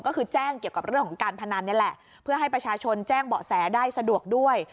ก็คือแจ้งเกี่ยวกับเรื่องของการพนันนี่แหละเพื่อให้ประชาชนแจ้งเบาะแสได้สะดวกด้วย